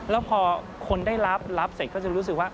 แล้วพอคนได้รับรับเสร็จก็จะรู้สึกว่า